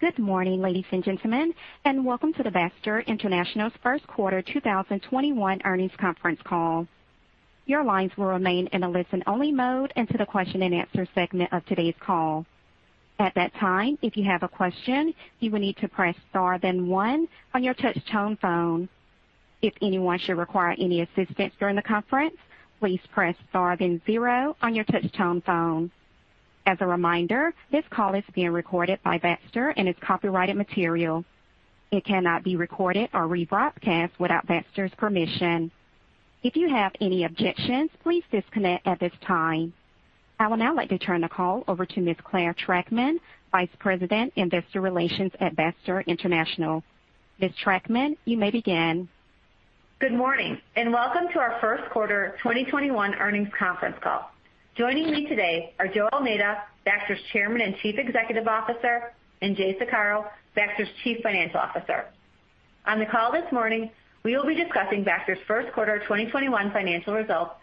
Good morning, ladies and gentlemen, and welcome to the Baxter International's first quarter 2021 earnings conference call. I would now like to turn the call over to Ms. Clare Trachtman, Vice President, Investor Relations at Baxter International. Ms. Trachtman, you may begin. Good morning, welcome to our first quarter 2021 earnings conference call. Joining me today are Joe Almeida, Baxter's Chairman and Chief Executive Officer, and Jay Saccaro, Baxter's Chief Financial Officer. On the call this morning, we will be discussing Baxter's first quarter 2021 financial results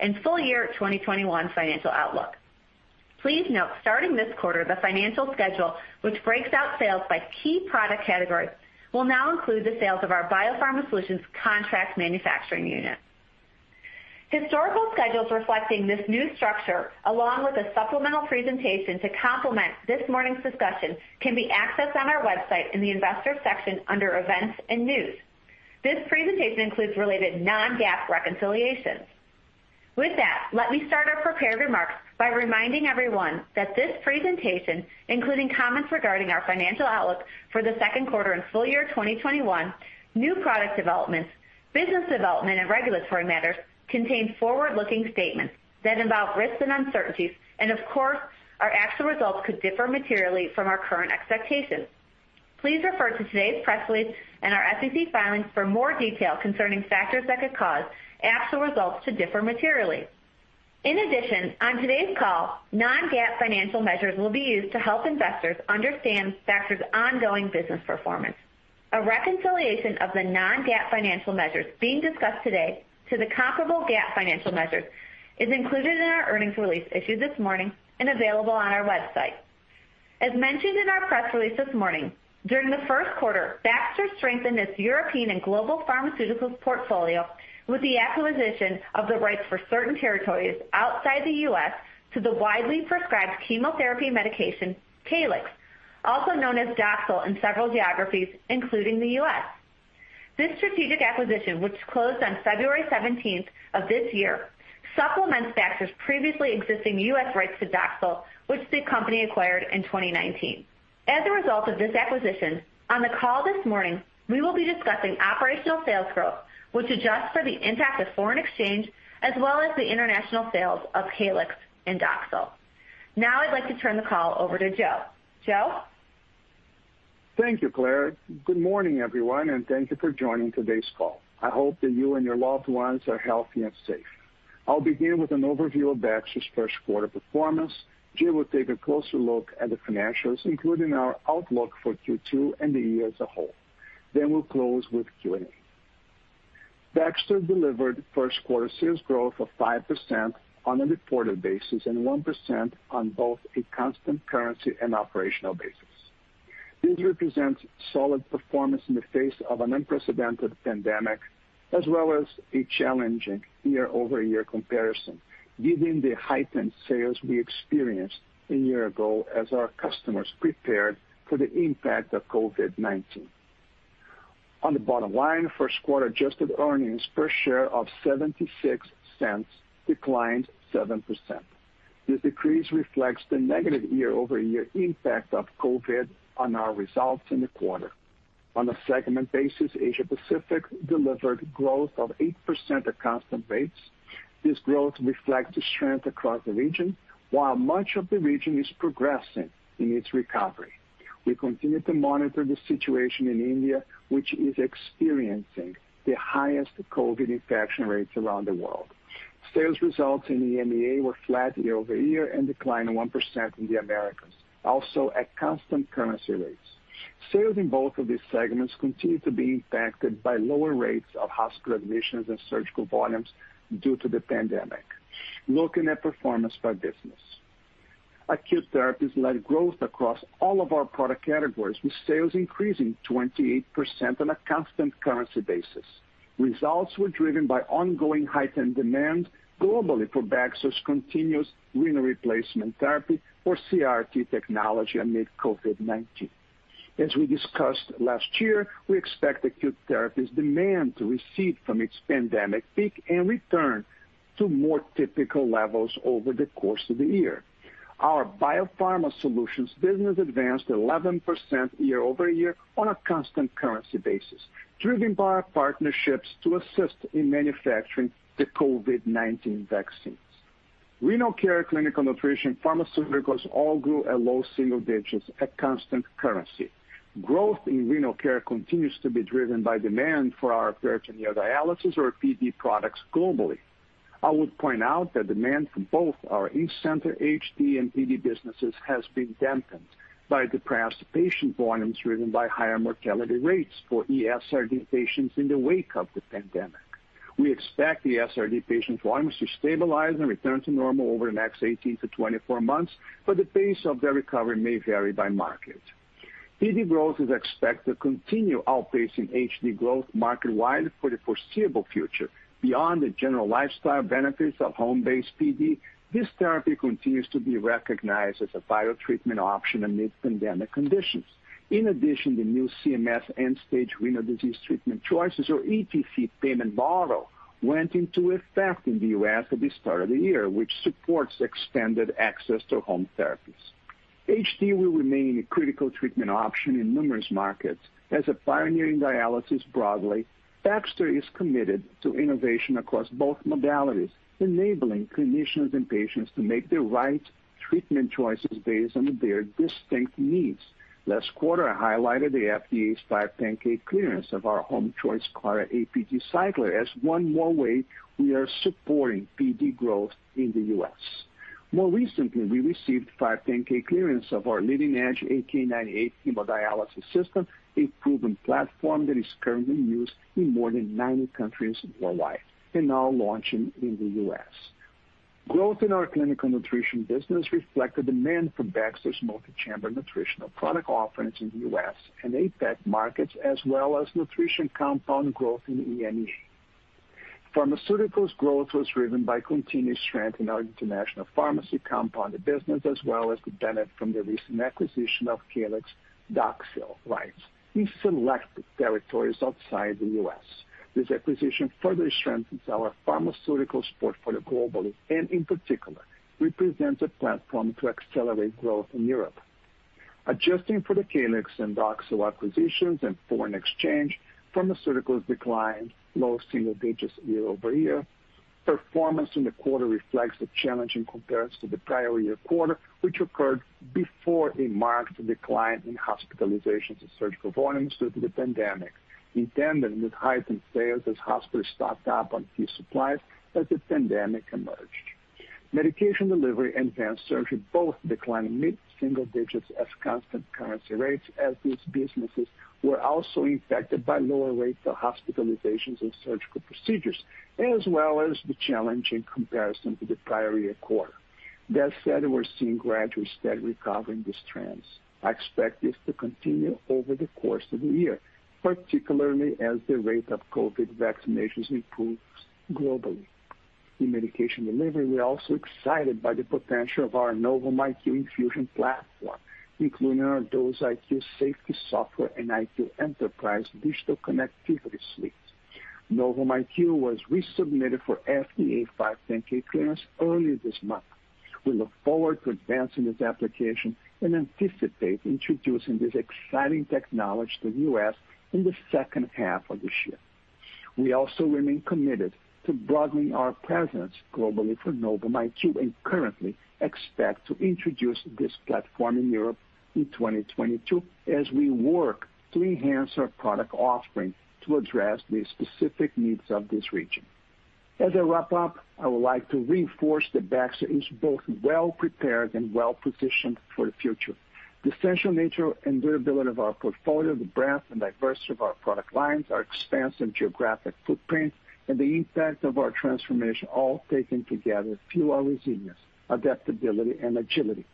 and full year 2021 financial outlook. Please note, starting this quarter, the financial schedule, which breaks out sales by key product categories, will now include the sales of our BioPharma Solutions contract manufacturing unit. Historical schedules reflecting this new structure, along with a supplemental presentation to complement this morning's discussion, can be accessed on our website in the investor section under events and news. This presentation includes related non-GAAP reconciliations. With that, let me start our prepared remarks by reminding everyone that this presentation, including comments regarding our financial outlook for the second quarter and full year 2021, new product developments, business development, and regulatory matters, contain forward-looking statements that involve risks and uncertainties, and of course, our actual results could differ materially from our current expectations. Please refer to today's press release and our SEC filings for more detail concerning factors that could cause actual results to differ materially. In addition, on today's call, non-GAAP financial measures will be used to help investors understand Baxter's ongoing business performance. A reconciliation of the non-GAAP financial measures being discussed today to the comparable GAAP financial measures is included in our earnings release issued this morning and available on our website. As mentioned in our press release this morning, during the first quarter, Baxter strengthened its European and global pharmaceuticals portfolio with the acquisition of the rights for certain territories outside the U.S. to the widely prescribed chemotherapy medication, Caelyx, also known as Doxil in several geographies, including the U.S. This strategic acquisition, which closed on February 17th of this year, supplements Baxter's previously existing U.S. rights to Doxil, which the company acquired in 2019. As a result of this acquisition, on the call this morning, we will be discussing operational sales growth, which adjusts for the impact of foreign exchange, as well as the international sales of Caelyx and Doxil. I'd like to turn the call over to Joe. Joe? Thank you, Clare. Good morning, everyone, thank you for joining today's call. I hope that you and your loved ones are healthy and safe. I'll begin with an overview of Baxter's first quarter performance. Jay will take a closer look at the financials, including our outlook for Q2 and the year as a whole. We'll close with Q&A. Baxter delivered first quarter sales growth of 5% on a reported basis and 1% on both a constant currency and operational basis. This represents solid performance in the face of an unprecedented pandemic, as well as a challenging year-over-year comparison, given the heightened sales we experienced a year ago as our customers prepared for the impact of COVID-19. On the bottom line, first quarter adjusted earnings per share of $0.76 declined 7%. This decrease reflects the negative year-over-year impact of COVID on our results in the quarter. On a segment basis, Asia Pacific delivered growth of 8% at constant rates. This growth reflects strength across the region. While much of the region is progressing in its recovery, we continue to monitor the situation in India, which is experiencing the highest COVID infection rates around the world. Sales results in the EMEA were flat year-over-year and declined 1% in the Americas, also at constant currency rates. Sales in both of these segments continue to be impacted by lower rates of hospital admissions and surgical volumes due to the pandemic. Looking at performance by business. Acute Therapies led growth across all of our product categories, with sales increasing 28% on a constant currency basis. Results were driven by ongoing heightened demand globally for Baxter's continuous renal replacement therapy or CRRT technology amid COVID-19. As we discussed last year, we expect acute therapies demand to recede from its pandemic peak and return to more typical levels over the course of the year. Our BioPharma Solutions business advanced 11% year-over-year on a constant currency basis, driven by our partnerships to assist in manufacturing the COVID-19 vaccines. Renal care, clinical nutrition, pharmaceuticals all grew at low single digits at constant currency. Growth in renal care continues to be driven by demand for our peritoneal dialysis or PD products globally. I would point out that demand for both our in-center HD and PD businesses has been dampened by depressed patient volumes driven by higher mortality rates for ESRD patients in the wake of the pandemic. We expect ESRD patient volumes to stabilize and return to normal over the next 18-24 months, the pace of their recovery may vary by market. PD growth is expected to continue outpacing HD growth market-wide for the foreseeable future. Beyond the general lifestyle benefits of home-based PD, this therapy continues to be recognized as a vital treatment option amidst pandemic conditions. In addition, the new CMS End-Stage Renal Disease Treatment Choices, or ETC payment model, went into effect in the U.S. at the start of the year, which supports extended access to home therapies. HD will remain a critical treatment option in numerous markets. As a pioneer in dialysis broadly, Baxter is committed to innovation across both modalities, enabling clinicians and patients to make the right treatment choices based on their distinct needs. Last quarter, I highlighted the FDA's 510(k) clearance of our Homechoice Claria APD cycler as one more way we are supporting PD growth in the U.S. More recently, we received 510(k) clearance of our leading-edge AK 98 hemodialysis system, a proven platform that is currently used in more than 90 countries worldwide and now launching in the U.S. Growth in our Clinical Nutrition business reflected demand for Baxter's multi-chamber nutritional product offerings in the U.S. and APAC markets, as well as nutrition compound growth in EMEA. Pharmaceuticals growth was driven by continued strength in our international pharmacy compounded business as well as the benefit from the recent acquisition of Caelyx/Doxil rights in selected territories outside the U.S. This acquisition further strengthens our pharmaceutical support for the globally, and in particular, represents a platform to accelerate growth in Europe. Adjusting for the Caelyx and Doxil acquisitions and foreign exchange, pharmaceuticals declined low single digits year-over-year. Performance in the quarter reflects a challenging comparison to the prior-year quarter, which occurred before a marked decline in hospitalizations and surgical volumes due to the pandemic, coincided with heightened sales as hospitals stocked up on key supplies as the pandemic emerged. Medication delivery Advanced Surgery both declined mid-single digits at constant currency rates as these businesses were also impacted by lower rates of hospitalizations and surgical procedures, as well as the challenging comparison to the prior-year quarter. That said, we're seeing gradual, steady recovery in these trends. I expect this to continue over the course of the year, particularly as the rate of COVID vaccinations improves globally. In medication delivery, we are also excited by the potential of our Novum IQ infusion platform, including our Dose IQ safety software and IQ Enterprise digital connectivity suite. Novum IQ was resubmitted for FDA 510(k) clearance early this month. We look forward to advancing this application and anticipate introducing this exciting technology to the U.S. in the second half of this year. We also remain committed to broadening our presence globally for Novum IQ and currently expect to introduce this platform in Europe in 2022 as we work to enhance our product offering to address the specific needs of this region. As I wrap up, I would like to reinforce that Baxter is both well-prepared and well-positioned for the future. The essential nature and durability of our portfolio, the breadth and diversity of our product lines, our expansive geographic footprint, and the impact of our transformation all taken together fuel our resilience, adaptability, and agility.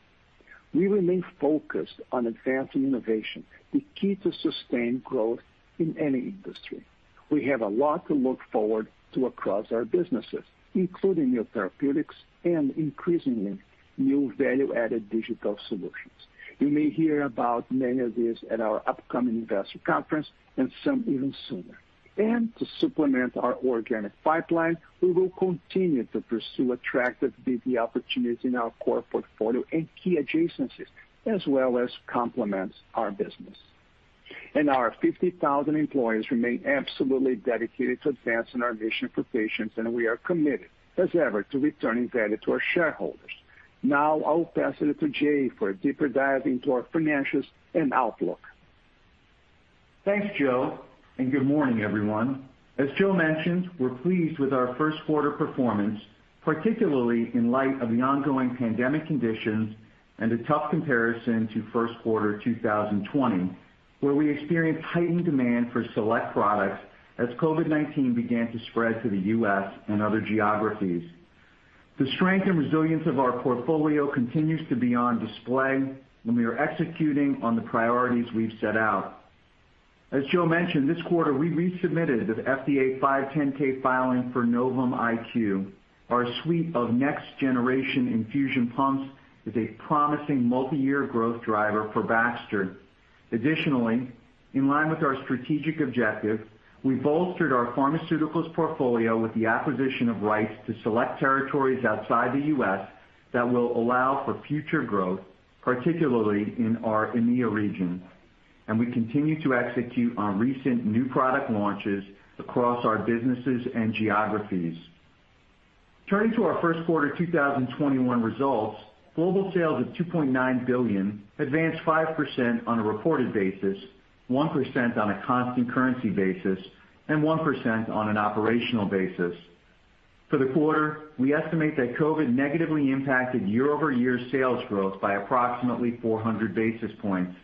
We remain focused on advancing innovation, the key to sustained growth in any industry. We have a lot to look forward to across our businesses, including new therapeutics and, increasingly, new value-added digital solutions. You may hear about many of these at our upcoming Investor Day and some even sooner. To supplement our organic pipeline, we will continue to pursue attractive BD opportunities in our core portfolio and key adjacencies, as well as complement our business. Our 50,000 employees remain absolutely dedicated to advancing our mission for patients, and we are committed as ever to returning value to our shareholders. Now, I will pass it to Jay for a deeper dive into our financials and outlook. Thanks, Joe, good morning, everyone. As Joe mentioned, we're pleased with our first quarter performance, particularly in light of the ongoing pandemic conditions and a tough comparison to first quarter 2020, where we experienced heightened demand for select products as COVID-19 began to spread to the U.S. and other geographies. The strength and resilience of our portfolio continues to be on display, we are executing on the priorities we've set out. As Joe mentioned this quarter, we resubmitted the FDA 510(k) filing for Novum IQ. Our suite of next-generation infusion pumps is a promising multi-year growth driver for Baxter. Additionally, in line with our strategic objective, we bolstered our pharmaceuticals portfolio with the acquisition of rights to select territories outside the U.S. that will allow for future growth, particularly in our EMEA region. We continue to execute on recent new product launches across our businesses and geographies. Turning to our first quarter 2021 results, global sales of $2.9 billion advanced 5% on a reported basis, 1% on a constant currency basis, and 1% on an operational basis. For the quarter, we estimate that COVID negatively impacted year-over-year sales growth by approximately 400 basis points.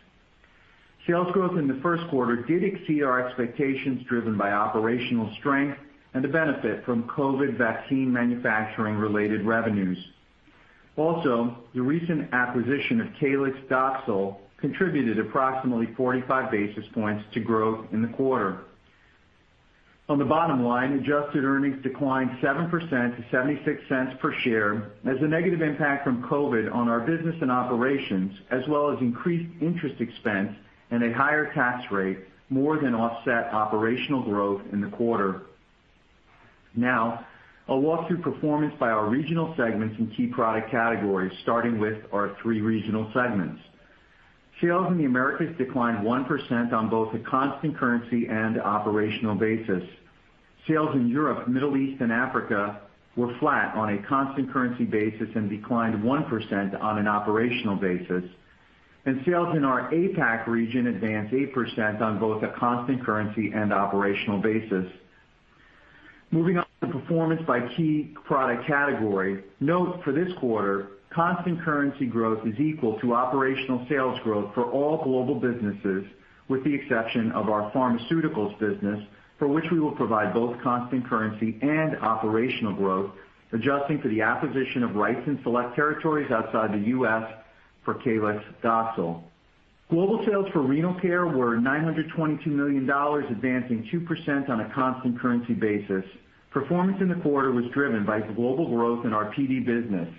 Sales growth in the first quarter did exceed our expectations, driven by operational strength and the benefit from COVID vaccine manufacturing-related revenues. Also, the recent acquisition of Caelyx/Doxil contributed approximately 45 basis points to growth in the quarter. On the bottom line, adjusted earnings declined 7% to $0.76 per share as the negative impact from COVID on our business and operations, as well as increased interest expense and a higher tax rate, more than offset operational growth in the quarter. Now, I'll walk through performance by our regional segments and key product categories, starting with our three regional segments. Sales in the Americas declined 1% on both a constant currency and operational basis. Sales in Europe, Middle East, and Africa were flat on a constant currency basis and declined 1% on an operational basis. Sales in our APAC region advanced 8% on both a constant currency and operational basis. Moving on to performance by key product category. Note for this quarter, constant currency growth is equal to operational sales growth for all global businesses, with the exception of our pharmaceuticals business, for which we will provide both constant currency and operational growth, adjusting for the acquisition of rights in select territories outside the U.S. for Caelyx/Doxil. Global sales for renal care were $922 million, advancing 2% on a constant currency basis. Performance in the quarter was driven by global growth in our PD business.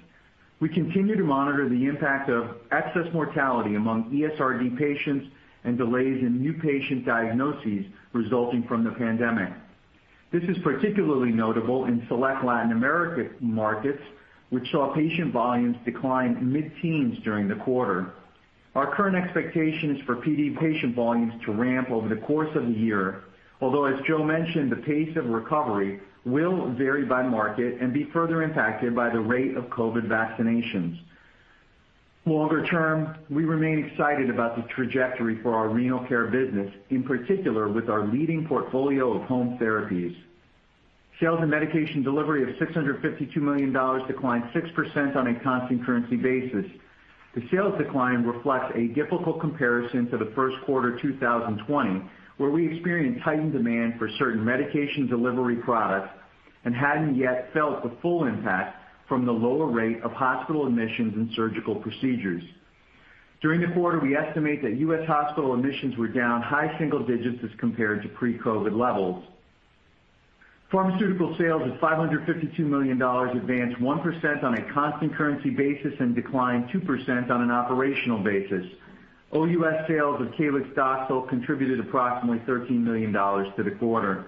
We continue to monitor the impact of excess mortality among ESRD patients and delays in new patient diagnoses resulting from the pandemic. This is particularly notable in select Latin America markets, which saw patient volumes decline mid-teens during the quarter. Our current expectation is for PD patient volumes to ramp over the course of the year, although, as Joe mentioned, the pace of recovery will vary by market and be further impacted by the rate of COVID vaccinations. Longer term, we remain excited about the trajectory for our renal care business, in particular with our leading portfolio of home therapies. Sales in Medication Delivery of $652 million declined 6% on a constant currency basis. The sales decline reflects a difficult comparison to the first quarter 2020, where we experienced heightened demand for certain Medication Delivery products and hadn't yet felt the full impact from the lower rate of hospital admissions and surgical procedures. During the quarter, we estimate that U.S. hospital admissions were down high single digits as compared to pre-COVID-19 levels. Pharmaceutical sales of $552 million advanced 1% on a constant currency basis and declined 2% on an operational basis. OUS sales of Caelyx/Doxil contributed approximately $13 million to the quarter.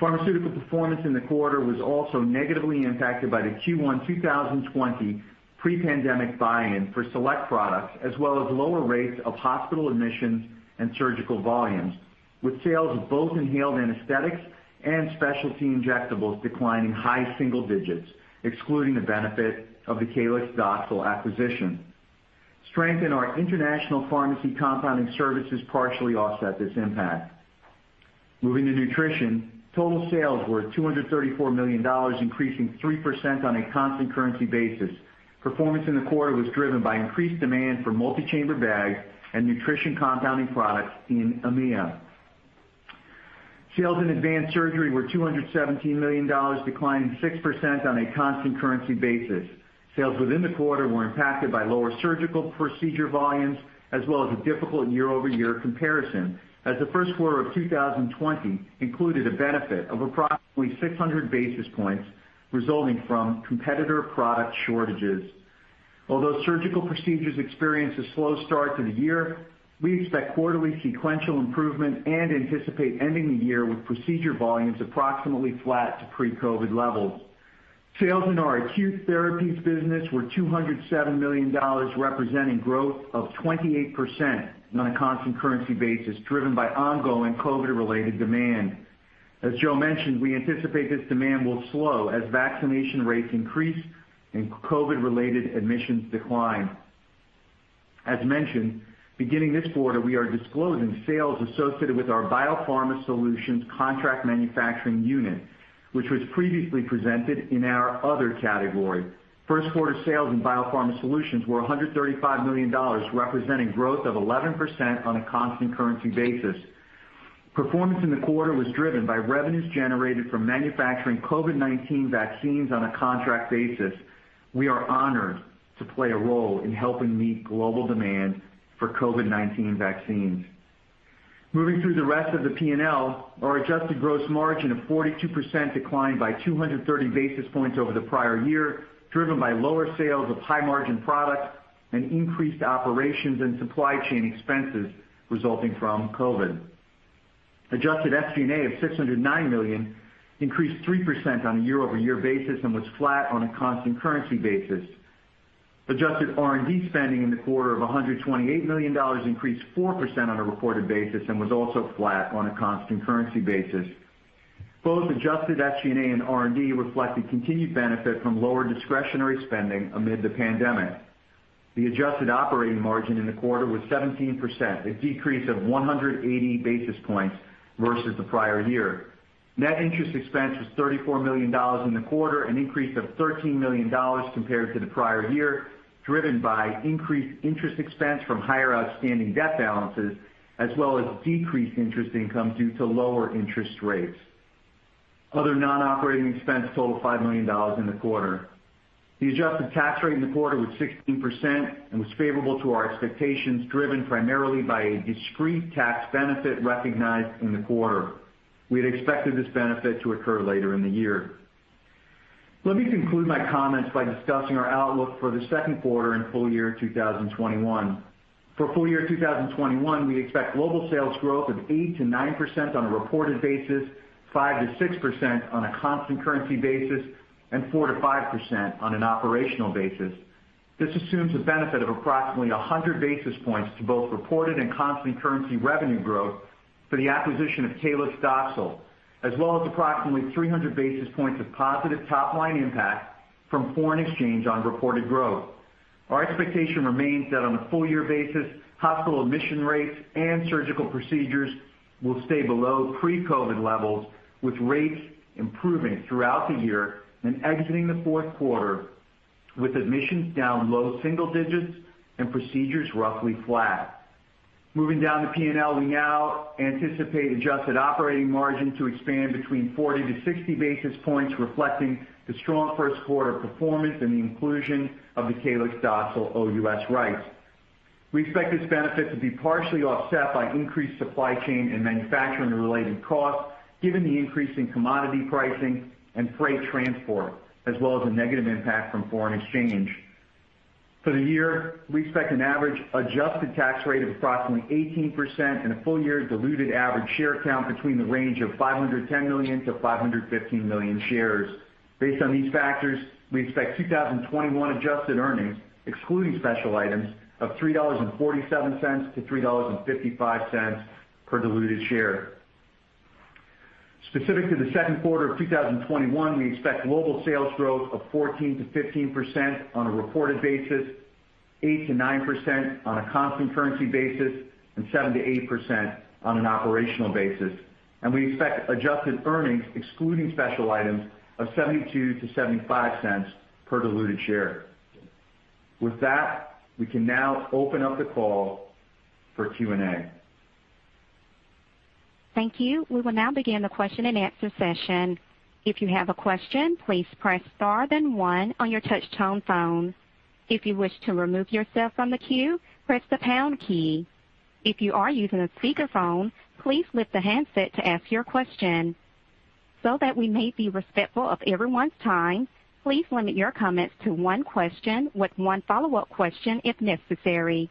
Pharmaceutical performance in the quarter was also negatively impacted by the Q1 2020 pre-pandemic buy-in for select products, as well as lower rates of hospital admissions and surgical volumes, with sales of both inhaled anesthetics and specialty injectables declining high single digits, excluding the benefit of the Caelyx/Doxil acquisition. Strength in our international pharmacy compounding services partially offset this impact. Moving to Nutrition, total sales were $234 million, increasing 3% on a constant currency basis. Performance in the quarter was driven by increased demand for multi-chamber bags and nutrition compounding products in EMEA. Sales Advanced Surgery were $217 million, declining 6% on a constant currency basis. Sales within the quarter were impacted by lower surgical procedure volumes, as well as a difficult year-over-year comparison, as the first quarter of 2020 included a benefit of approximately 600 basis points resulting from competitor product shortages. Although surgical procedures experience a slow start to the year, we expect quarterly sequential improvement and anticipate ending the year with procedure volumes approximately flat to pre-COVID levels. Sales in our Acute Therapies business were $207 million, representing growth of 28% on a constant currency basis, driven by ongoing COVID-related demand. As Joe mentioned, we anticipate this demand will slow as vaccination rates increase and COVID-19-related admissions decline. As mentioned, beginning this quarter, we are disclosing sales associated with our BioPharma Solutions contract manufacturing unit, which was previously presented in our other category. First quarter sales in BioPharma Solutions were $135 million, representing growth of 11% on a constant currency basis. Performance in the quarter was driven by revenues generated from manufacturing COVID-19 vaccines on a contract basis. We are honored to play a role in helping meet global demand for COVID-19 vaccines. Moving through the rest of the P&L, our adjusted gross margin of 42% declined by 230 basis points over the prior year, driven by lower sales of high-margin products and increased operations and supply chain expenses resulting from COVID-19. Adjusted SG&A of $609 million increased 3% on a year-over-year basis and was flat on a constant currency basis. Adjusted R&D spending in the quarter of $128 million increased 4% on a reported basis and was also flat on a constant currency basis. Both adjusted SG&A and R&D reflect the continued benefit from lower discretionary spending amid the pandemic. The adjusted operating margin in the quarter was 17%, a decrease of 180 basis points versus the prior year. Net interest expense was $34 million in the quarter, an increase of $13 million compared to the prior year, driven by increased interest expense from higher outstanding debt balances as well as decreased interest income due to lower interest rates. Other non-operating expense totaled $5 million in the quarter. The adjusted tax rate in the quarter was 16% and was favorable to our expectations, driven primarily by a discrete tax benefit recognized in the quarter. We had expected this benefit to occur later in the year. Let me conclude my comments by discussing our outlook for the second quarter and full year 2021. For full year 2021, we expect global sales growth of 8%-9% on a reported basis, 5%-6% on a constant currency basis, and 4%-5% on an operational basis. This assumes the benefit of approximately 100 basis points to both reported and constant currency revenue growth for the acquisition of Caelyx/Doxil, as well as approximately 300 basis points of positive top-line impact from foreign exchange on reported growth. Our expectation remains that on a full-year basis, hospital admission rates and surgical procedures will stay below pre-COVID levels, with rates improving throughout the year and exiting the fourth quarter with admissions down low single digits and procedures roughly flat. Moving down the P&L, we now anticipate adjusted operating margin to expand between 40 basis points-60 basis points, reflecting the strong first quarter performance and the inclusion of the Caelyx Doxil OUS rights. We expect this benefit to be partially offset by increased supply chain and manufacturing-related costs given the increase in commodity pricing and freight transport, as well as a negative impact from foreign exchange. For the year, we expect an average adjusted tax rate of approximately 18% and a full year diluted average share count between the range of 510 million-515 million shares. Based on these factors, we expect 2021 adjusted earnings, excluding special items, of $3.47-$3.55 per diluted share. Specific to the second quarter of 2021, we expect global sales growth of 14%-15% on a reported basis, 8%-9% on a constant currency basis, and 7%-8% on an operational basis. We expect adjusted earnings, excluding special items, of $0.72-$0.75 per diluted share. With that, we can now open up the call for Q&A. Thank you. We will now begin the question-and-answer session. If you have a question, please press star then one on your touch-tone phone. If you wish to remove yourself from the queue, press the pound key. If you are using a speakerphone, please lift the handset to ask your question. That we may be respectful of everyone's time, please limit your comments to one question with one follow-up question if necessary.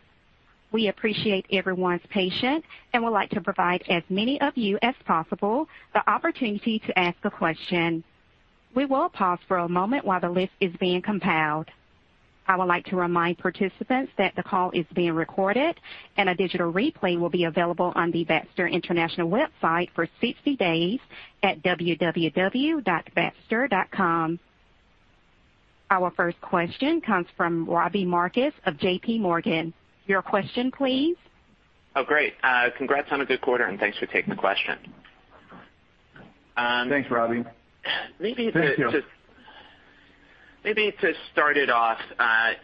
We appreciate everyone's patience and would like to provide as many of you as possible the opportunity to ask a question. We will pause for a moment while the list is being compiled. I would like to remind participants that the call is being recorded, and a digital replay will be available on the Baxter International website for 60 days at www.baxter.com. Our first question comes from Robbie Marcus of JPMorgan. Your question, please. Oh, great. Congrats on a good quarter, and thanks for taking the question. Thanks, Robbie. Maybe to start it off,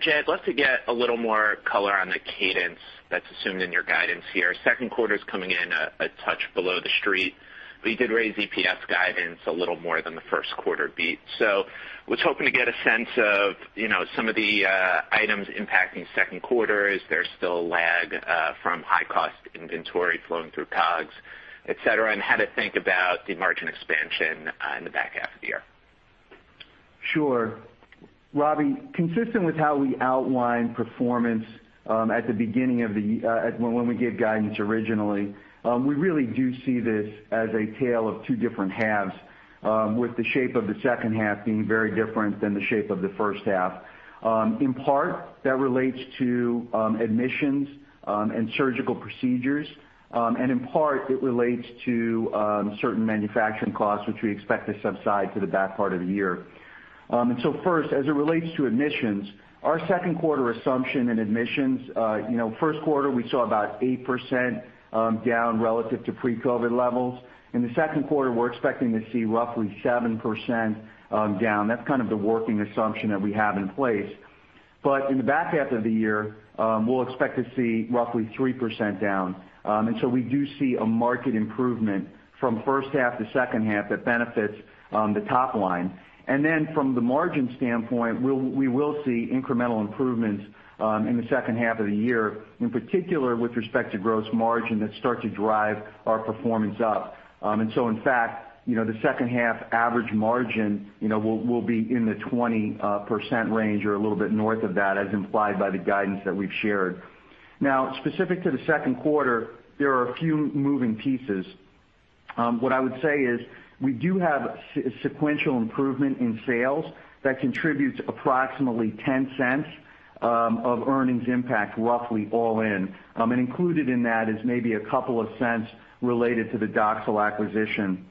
Jay, love to get a little more color on the cadence that's assumed in your guidance here. Second quarter's coming in a touch below the street, but you did raise EPS guidance a little more than the first quarter beat. Was hoping to get a sense of some of the items impacting second quarter. Is there still lag from high-cost inventory flowing through COGS, et cetera? How to think about the margin expansion on the back half of the year. Sure. Robbie, consistent with how we outlined performance when we gave guidance originally, we really do see this as a tale of two different halves, with the shape of the second half being very different than the shape of the first half. In part, that relates to admissions and surgical procedures, in part, it relates to certain manufacturing costs, which we expect to subside to the back part of the year. First, as it relates to admissions, our second quarter assumption in admissions. First quarter, we saw about 8% down relative to pre-COVID levels. In the second quarter, we're expecting to see roughly 7% down. That's kind of the working assumption that we have in place. In the back half of the year, we'll expect to see roughly 3% down. We do see a market improvement from first half to second half that benefits the top line. From the margin standpoint, we will see incremental improvements in the second half of the year, in particular with respect to gross margin that start to drive our performance up. In fact, the second half average margin will be in the 20% range or a little bit north of that as implied by the guidance that we've shared. Now, specific to the second quarter, there are a few moving pieces. What I would say is we do have sequential improvement in sales that contributes approximately $0.10 of earnings impact roughly all in. Included in that is maybe a couple of cents related to the Doxil acquisition.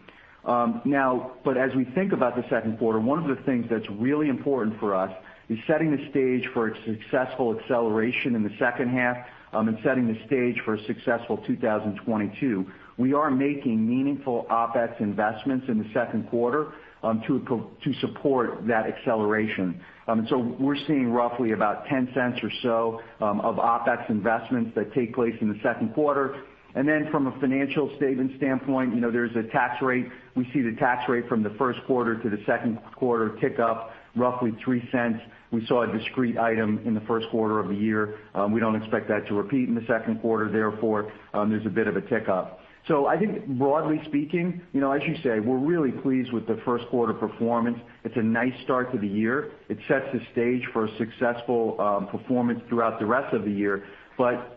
As we think about the second quarter, one of the things that's really important for us is setting the stage for a successful acceleration in the second half and setting the stage for a successful 2022. We are making meaningful OpEx investments in the second quarter to support that acceleration. We're seeing roughly about $0.10 or so of OpEx investments that take place in the second quarter. From a financial statement standpoint, there's a tax rate. We see the tax rate from the first quarter to the second quarter tick up roughly $0.03. We saw a discrete item in the first quarter of the year. We don't expect that to repeat in the second quarter, therefore, there's a bit of a tick up. I think broadly speaking, as you say, we're really pleased with the first quarter performance. It's a nice start to the year. It sets the stage for a successful performance throughout the rest of the year.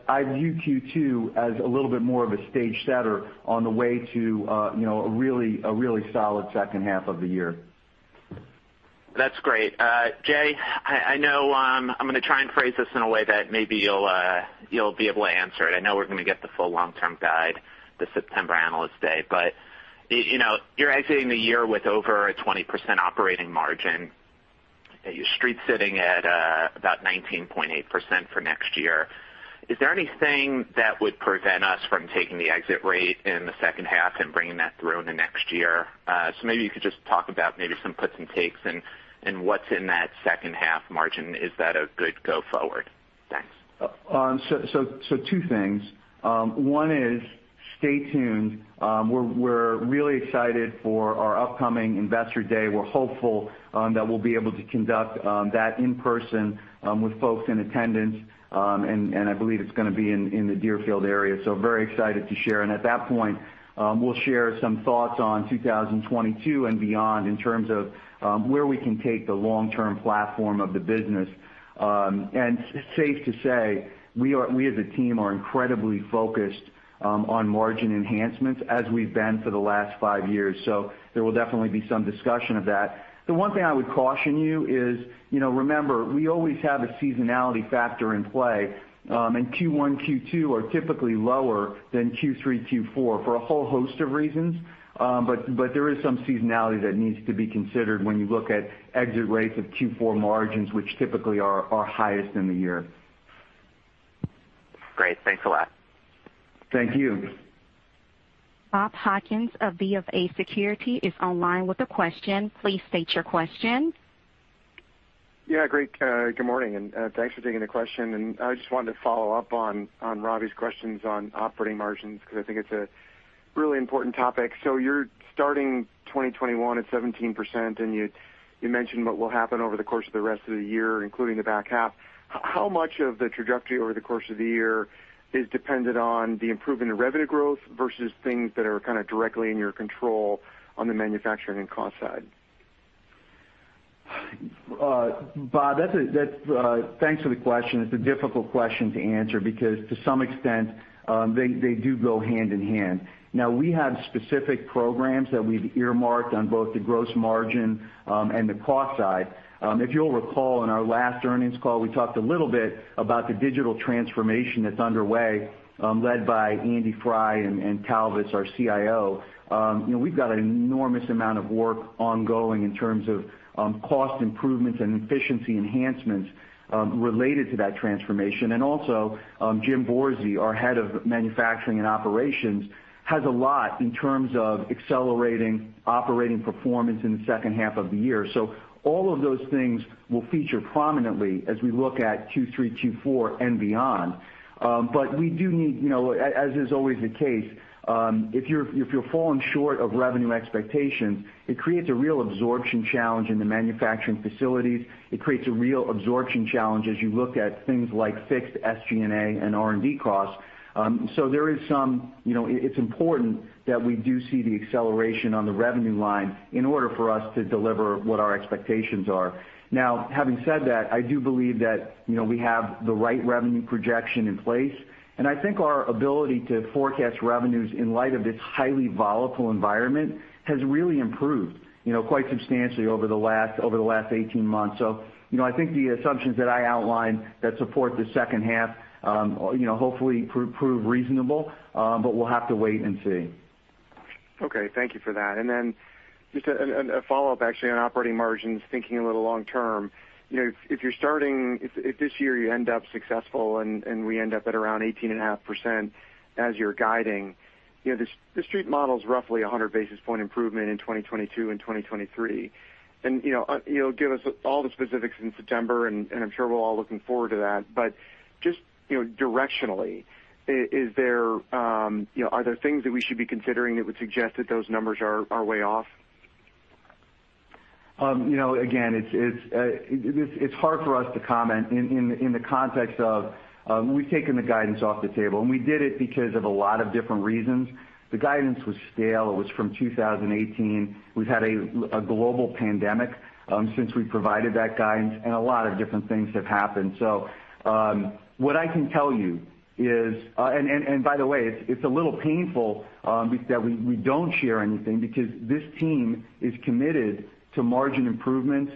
I view Q2 as a little bit more of a stage setter on the way to a really solid second half of the year. That's great. Jay, I know I'm going to try and phrase this in a way that maybe you'll be able to answer it. I know we're going to get the full long-term guide this September Analyst Day. You're exiting the year with over a 20% operating margin. Okay, your Street's sitting at about 19.8% for next year. Is there anything that would prevent us from taking the exit rate in the second half and bringing that through into next year? Maybe you could just talk about maybe some puts and takes and what's in that second half margin. Is that a good go forward? Thanks. Two things. One is stay tuned. We're really excited for our upcoming Investor Day. We're hopeful that we'll be able to conduct that in person with folks in attendance, and I believe it's going to be in the Deerfield area, so very excited to share. At that point, we'll share some thoughts on 2022 and beyond in terms of where we can take the long-term platform of the business. Safe to say, we as a team are incredibly focused on margin enhancements as we've been for the last five years. There will definitely be some discussion of that. The one thing I would caution you is, remember, we always have a seasonality factor in play, and Q1, Q2 are typically lower than Q3, Q4 for a whole host of reasons. There is some seasonality that needs to be considered when you look at exit rates of Q4 margins, which typically are highest in the year. Great. Thanks a lot. Thank you. Bob Hopkins of BofA Securities is online with a question. Please state your question. Great. Good morning, thanks for taking the question. I just wanted to follow up on Robbie's questions on operating margins because I think it's a really important topic. You're starting 2021 at 17%, and you mentioned what will happen over the course of the rest of the year, including the back half. How much of the trajectory over the course of the year is dependent on the improvement in revenue growth versus things that are kind of directly in your control on the manufacturing and cost side? Bob, thanks for the question. It's a difficult question to answer because to some extent, they do go hand in hand. We have specific programs that we've earmarked on both the gross margin and the cost side. If you'll recall, in our last earnings call, we talked a little bit about the digital transformation that's underway led by Andy Frye and Talvis, our CIO. We've got an enormous amount of work ongoing in terms of cost improvements and efficiency enhancements related to that transformation. Also Jim Borzi, our Head of Manufacturing and Operations, has a lot in terms of accelerating operating performance in the second half of the year. All of those things will feature prominently as we look at Q3, Q4, and beyond. We do need, as is always the case, if you're falling short of revenue expectations, it creates a real absorption challenge in the manufacturing facilities. It creates a real absorption challenge as you look at things like fixed SG&A and R&D costs. It's important that we do see the acceleration on the revenue line in order for us to deliver what our expectations are. Having said that, I do believe that we have the right revenue projection in place, and I think our ability to forecast revenues in light of this highly volatile environment has really improved quite substantially over the last 18 months. I think the assumptions that I outlined that support the second half hopefully prove reasonable, but we'll have to wait and see. Okay. Thank you for that. Then just a follow-up, actually, on operating margins, thinking a little long term. If this year you end up successful and we end up at around 18.5% as you're guiding, the Street model's roughly 100 basis point improvement in 2022 and 2023. You'll give us all the specifics in September, and I'm sure we're all looking forward to that. Just directionally, are there things that we should be considering that would suggest that those numbers are way off? It's hard for us to comment in the context of we've taken the guidance off the table, and we did it because of a lot of different reasons. The guidance was stale. It was from 2018. We've had a global pandemic since we provided that guidance, and a lot of different things have happened. What I can tell you is, and by the way, it's a little painful that we don't share anything because this team is committed to margin improvements.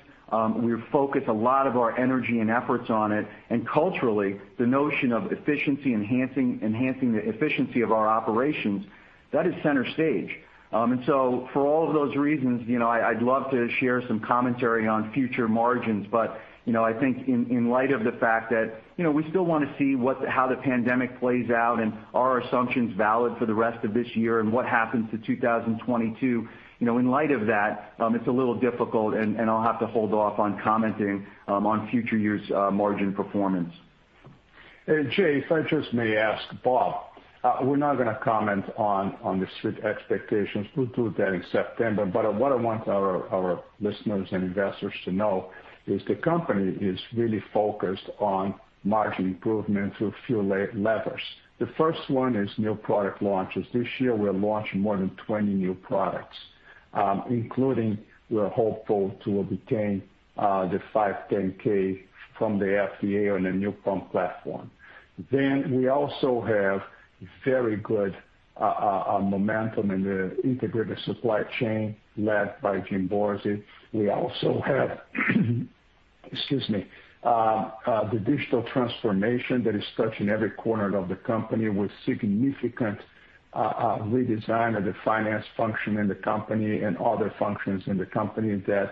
We focus a lot of our energy and efforts on it. Culturally, the notion of efficiency enhancing the efficiency of our operations, that is center stage. For all of those reasons, I'd love to share some commentary on future margins. I think in light of the fact that we still want to see how the pandemic plays out and are our assumptions valid for the rest of this year and what happens to 2022? In light of that, it's a little difficult, and I'll have to hold off on commenting on future years' margin performance. Jay, if I just may ask Bob, we're not going to comment on the Street expectations. We'll do that in September. What I want our listeners and investors to know is the company is really focused on margin improvement through a few levers. The first one is new product launches. This year, we're launching more than 20 new products, including we're hopeful to obtain the 510(k) from the FDA on a new pump platform. We also have very good momentum in the integrated supply chain led by Jim Borzi. We also have excuse me, the digital transformation that is touching every corner of the company with significant redesign of the finance function in the company and other functions in the company that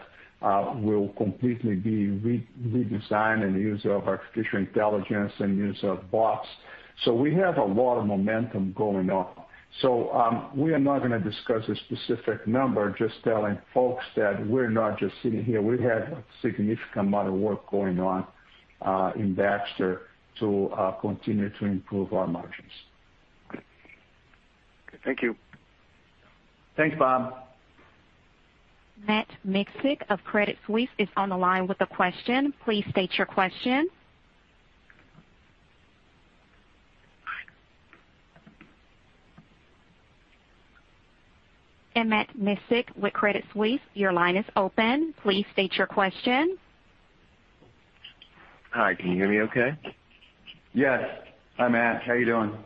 will completely be redesigned in the use of artificial intelligence and use of bots. We have a lot of momentum going on. We are not going to discuss a specific number, just telling folks that we're not just sitting here. We have a significant amount of work going on in Baxter to continue to improve our margins. Thank you. Thanks, Bob. Matt Miksic of Credit Suisse is on the line with a question. Please state your question. Matt Miksic with Credit Suisse, your line is open. Please state your question. Hi, can you hear me okay? Yes. Hi, Matt. How are you doing?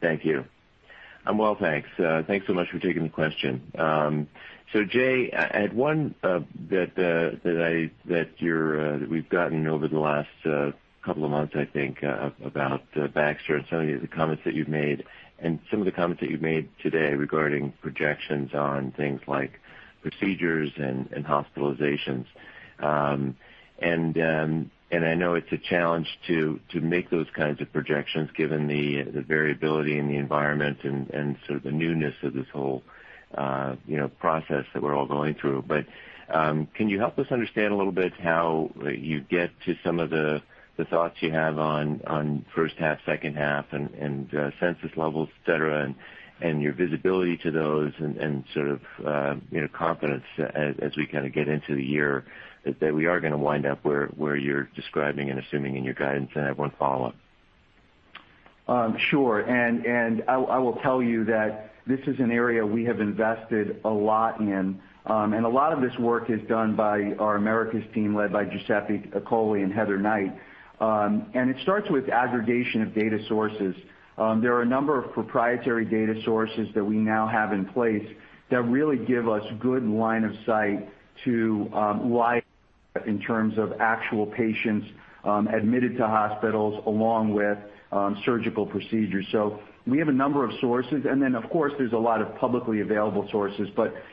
Thank you. I'm well, thanks. Thanks so much for taking the question. Jay, I had one that we've gotten over the last couple of months, I think, about Baxter and some of the comments that you've made and some of the comments that you've made today regarding projections on things like procedures and hospitalizations. I know it's a challenge to make those kinds of projections given the variability in the environment and sort of the newness of this whole process that we're all going through. Can you help us understand a little bit how you get to some of the thoughts you have on first half, second half and census levels, et cetera, and your visibility to those and sort of confidence as we kind of get into the year that we are going to wind up where you're describing and assuming in your guidance? I have one follow-up. Sure. I will tell you that this is an area we have invested a lot in. A lot of this work is done by our Americas team led by Giuseppe Accogli and Heather Knight. It starts with aggregation of data sources. There are a number of proprietary data sources that we now have in place that really give us good line of sight to why in terms of actual patients admitted to hospitals along with surgical procedures. We have a number of sources, and then of course there's a lot of publicly available sources.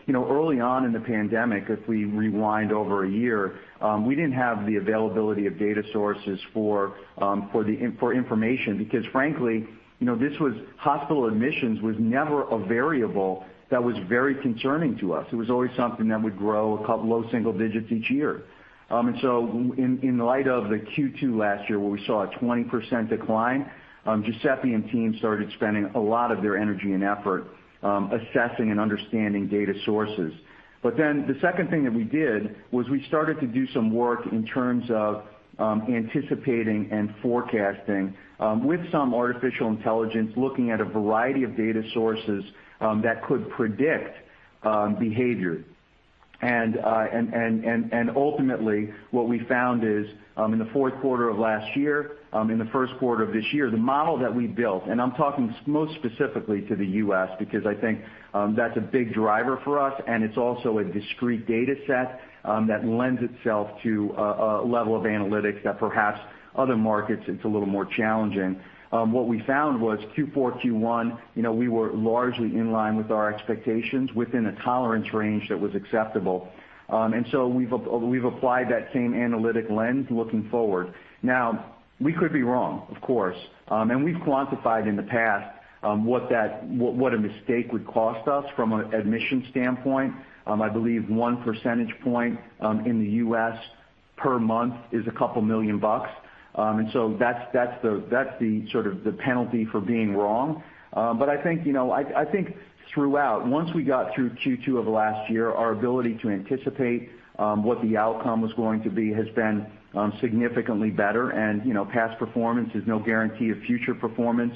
Early on in the pandemic, if we rewind over a year, we didn't have the availability of data sources for information because frankly, hospital admissions was never a variable that was very concerning to us. It was always something that would grow a couple low single digits each year. In light of the Q2 last year where we saw a 20% decline, Giuseppe and team started spending a lot of their energy and effort assessing and understanding data sources. The second thing that we did was we started to do some work in terms of anticipating and forecasting with some artificial intelligence, looking at a variety of data sources that could predict behavior. Ultimately what we found is in the fourth quarter of last year, in the first quarter of this year, the model that we built, I'm talking most specifically to the U.S. because I think that's a big driver for us, and it's also a discrete data set that lends itself to a level of analytics that perhaps other markets it's a little more challenging. What we found was Q4, Q1, we were largely in line with our expectations within a tolerance range that was acceptable. We've applied that same analytic lens looking forward. Now, we could be wrong, of course. We've quantified in the past what a mistake would cost us from an admission standpoint. I believe one percentage point in the U.S. per month is a couple million dollars. That's the sort of the penalty for being wrong. I think throughout, once we got through Q2 of last year, our ability to anticipate what the outcome was going to be has been significantly better. Past performance is no guarantee of future performance.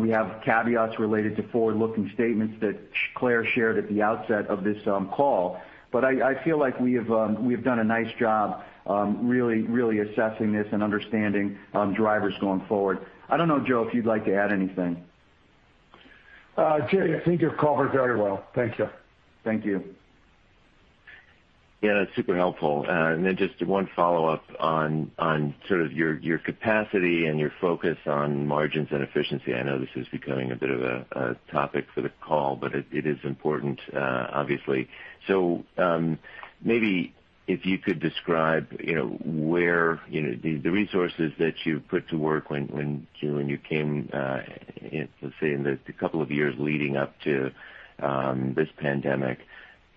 We have caveats related to forward-looking statements that Clare shared at the outset of this call. I feel like we have done a nice job really assessing this and understanding drivers going forward. I don't know, Joe, if you'd like to add anything. Jay, I think you've covered very well. Thank you. Thank you. Yeah, that's super helpful. Just one follow-up on sort of your capacity and your focus on margins and efficiency. I know this is becoming a bit of a topic for the call, but it is important, obviously. Maybe if you could describe the resources that you've put to work when you came in, let's say, in the couple of years leading up to this pandemic,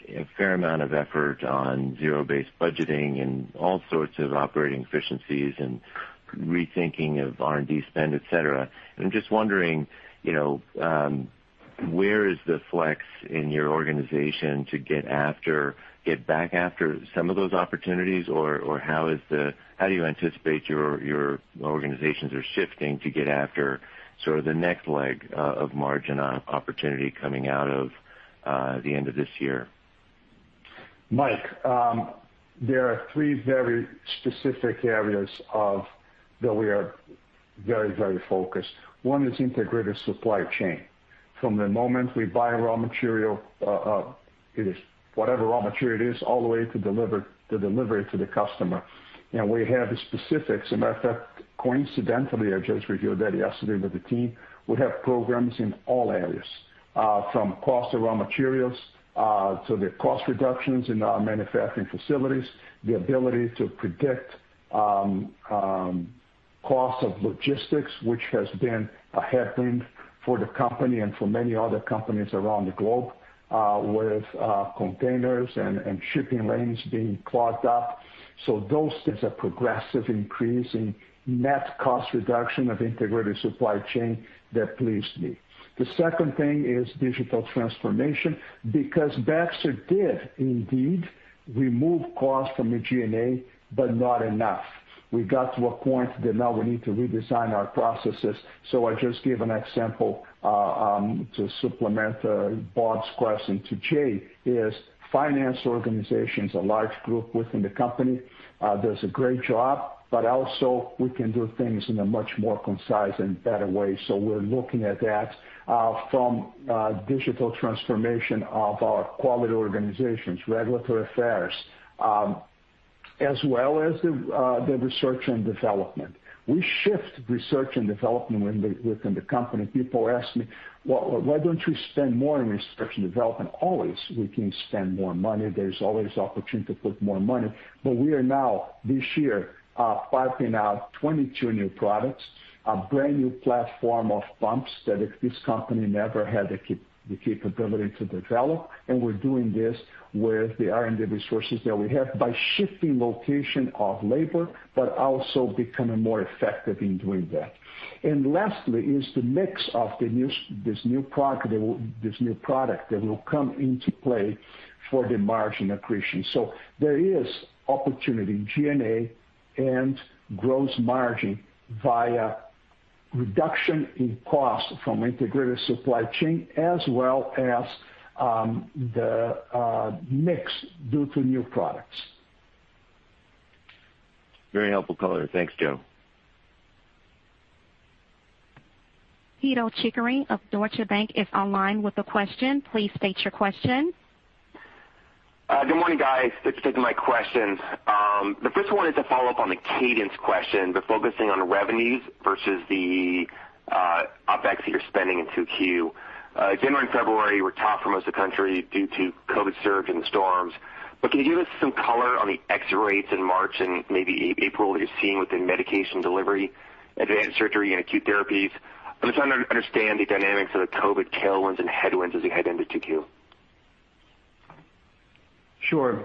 a fair amount of effort on zero-based budgeting and all sorts of operating efficiencies and rethinking of R&D spend, et cetera. I'm just wondering, where is the flex in your organization to get back after some of those opportunities, or how do you anticipate your organizations are shifting to get after sort of the next leg of margin opportunity coming out of the end of this year? Matt, there are three very specific areas that we are very focused. One is integrated supply chain. From the moment we buy raw material, it is whatever raw material it is, all the way to delivery to the customer. We have the specifics. A matter of fact, coincidentally, I just reviewed that yesterday with the team. We have programs in all areas, from cost of raw materials to the cost reductions in our manufacturing facilities, the ability to predict cost of logistics, which has been a headwind for the company and for many other companies around the globe with containers and shipping lanes being clogged up. Those things are progressive increase in net cost reduction of integrated supply chain that pleased me. The second thing is digital transformation, because Baxter did indeed remove costs from the G&A, but not enough. We got to a point that now we need to redesign our processes. I just give an example to supplement Bob's question to Jay, is finance organization is a large group within the company. Does a great job, but also we can do things in a much more concise and better way, so we're looking at that from digital transformation of our quality organizations, regulatory affairs, as well as the research and development. We shift research and development within the company. People ask me, "Well, why don't you spend more in research and development?" Always we can spend more money. There's always opportunity to put more money. We are now, this year, piping out 22 new products, a brand new platform of pumps that this company never had the capability to develop. We're doing this with the R&D resources that we have by shifting location of labor, but also becoming more effective in doing that. Lastly is the mix of this new product that will come into play for the margin accretion. There is opportunity in G&A and gross margin via reduction in cost from integrated supply chain as well as the mix due to new products. Very helpful color. Thanks, Joe. Pito Chickering of Deutsche Bank is online with a question. Please state your question. Good morning, guys. Thanks for taking my questions. The first one is to follow up on the cadence question, but focusing on revenues versus the OpEx that you're spending in 2Q. January and February were tough for most of the country due to COVID surge and the storms. Can you give us some color on the exit rates in March and maybe April that you're seeing within Medication Advanced Surgery, and Acute Therapies? I'm just trying to understand the dynamics of the COVID tailwinds and headwinds as we head into 2Q. Sure.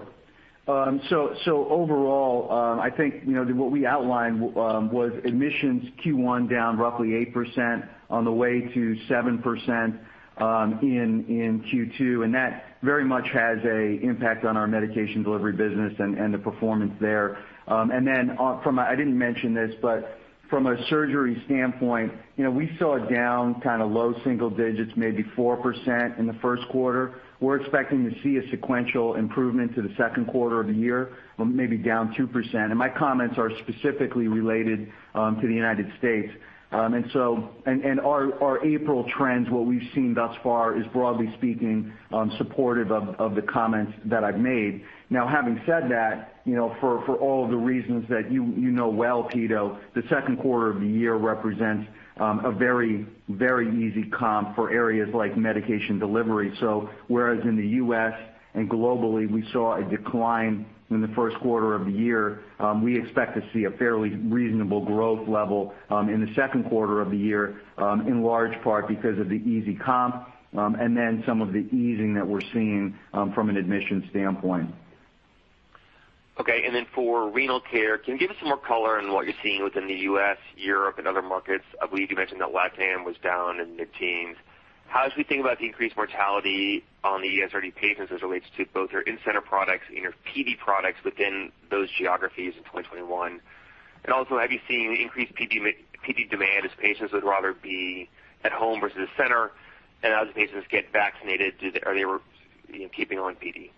Overall, I think what we outlined was admissions Q1 down roughly 8% on the way to 7% in Q2, that very much has a impact on our medication delivery business and the performance there. I didn't mention this, but from a surgery standpoint, we saw a down kind of low single digits, maybe 4% in the first quarter. We're expecting to see a sequential improvement to the second quarter of the year, maybe down 2%. My comments are specifically related to the U.S. Our April trends, what we've seen thus far is broadly speaking, supportive of the comments that I've made. Now having said that, for all of the reasons that you know well, Pito, the second quarter of the year represents a very easy comp for areas like medication delivery. Whereas in the U.S. and globally, we saw a decline in the first quarter of the year, we expect to see a fairly reasonable growth level in the second quarter of the year, in large part because of the easy comp, and then some of the easing that we're seeing from an admission standpoint. Okay. Then for renal care, can you give us some more color on what you're seeing within the U.S., Europe, and other markets? I believe you mentioned that LatAm was down in the teens. How should we think about the increased mortality on the ESRD patients as it relates to both your in-center products and your PD products within those geographies in 2021? Also, have you seen increased PD demand as patients would rather be at home versus the center? As patients get vaccinated, are they keeping on PD?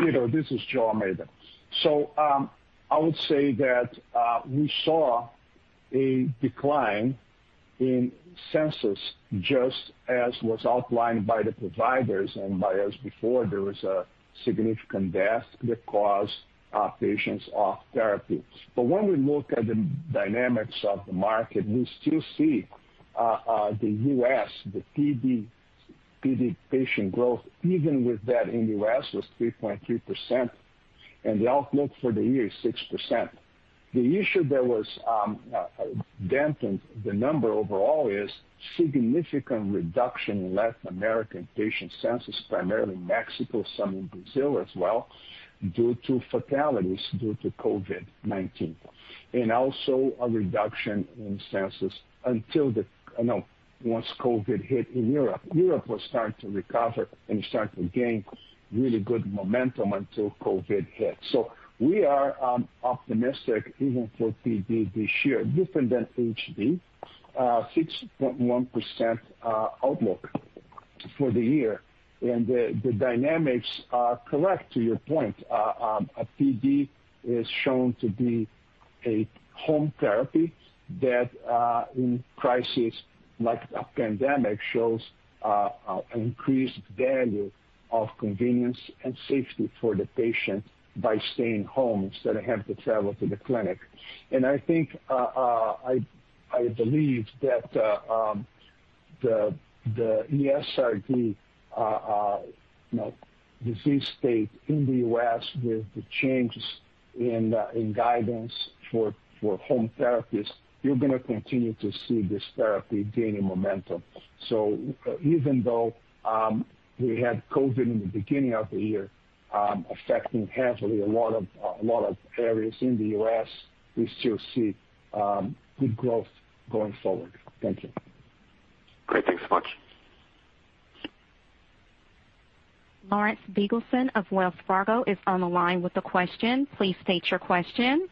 Pito, this is Joe Almeida. I would say that we saw a decline in census just as was outlined by the providers and by us before. There was a significant death that caused patients off therapy. When we look at the dynamics of the market, we still see the U.S., the PD patient growth, even with that in the U.S., was 3.3%. And the outlook for the year is 6%. The issue that was damping the number overall is significant reduction in Latin American patient census, primarily Mexico, some in Brazil as well, due to fatalities due to COVID-19. Also a reduction in census once COVID hit in Europe. Europe was starting to recover and starting to gain really good momentum until COVID hit. We are optimistic even for PD this year, different than HD. 6.1% outlook for the year. The dynamics are correct to your point. PD is shown to be a home therapy that, in crisis like a pandemic, shows an increased value of convenience and safety for the patient by staying home instead of having to travel to the clinic. I believe that the ESRD disease state in the U.S., with the changes in guidance for home therapies, you're going to continue to see this therapy gaining momentum. Even though we had COVID in the beginning of the year affecting heavily a lot of areas in the U.S., we still see good growth going forward. Thank you. Great. Thanks so much. Lawrence Biegelsen of Wells Fargo is on the line with a question. Please state your question.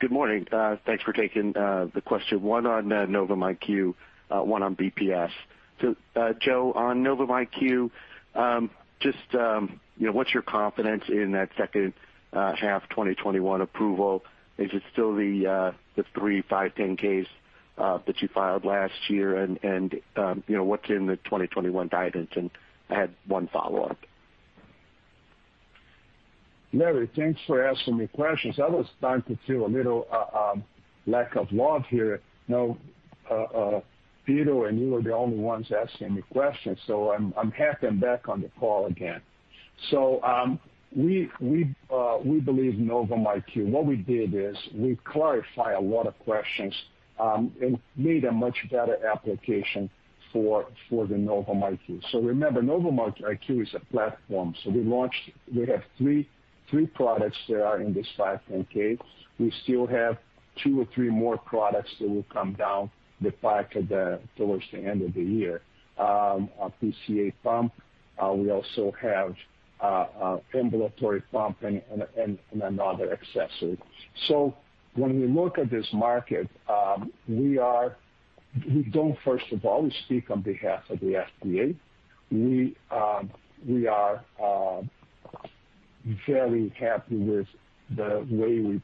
Good morning. Thanks for taking the question. One on Novum IQ, one on BPS. Joe, on Novum IQ, just what's your confidence in that second half 2021 approval? Is it still the three 510(k)s that you filed last year? What's in the 2021 guidance? I had one follow-up. Larry, thanks for asking me questions. I was starting to feel a little lack of love here. Pito and you were the only ones asking me questions. I'm happy I'm back on the call again. We believe Novum IQ. What we did is we clarified a lot of questions and made a much better application for the Novum IQ. Remember, Novum IQ is a platform. We have three products that are in this 510(k). We still have two or three more products that will come down the pipe towards the end of the year. A PCA pump. We also have ambulatory pump and another accessory. When we look at this market, we don't, first of all, speak on behalf of the FDA. We are very happy with the way we